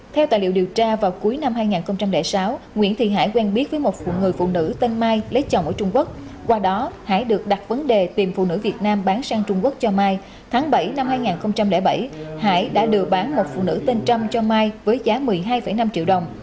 theo tài liệu điều tra vào cuối năm hai nghìn sáu nguyễn thị hải quen biết với một phụ người phụ nữ tên mai lấy chồng ở trung quốc qua đó hải được đặt vấn đề tìm phụ nữ việt nam bán sang trung quốc cho mai tháng bảy năm hai nghìn bảy hải đã lừa bán một phụ nữ tên trâm cho mai với giá một mươi hai năm triệu đồng